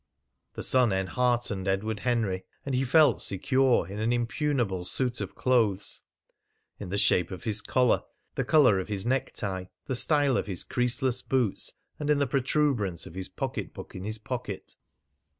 The sun enheartened Edward Henry. And he felt secure in an unimpugnable suit of clothes; in the shape of his collar, the colour of his necktie, the style of his creaseless boots; and in the protuberance of his pocketbook in his pocket.